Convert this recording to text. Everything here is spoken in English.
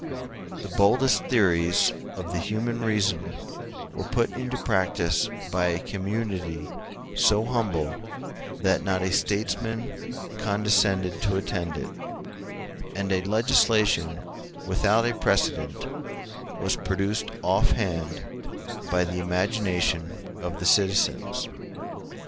The boldest theories of the human reason were put into practice by a community so humble that not a statesman condescended to attend to it; and a legislation without a precedent was produced offhand by the imagination of the citizens.